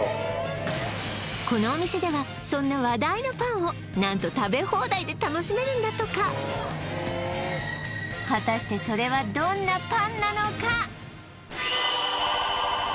このお店ではそんな話題のパンを何と食べ放題で楽しめるんだとか果たしてそれはよいしょ